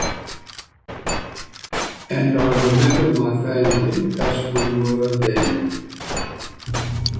And I remember my family as we were then.